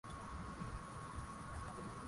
Akiahidi atatenda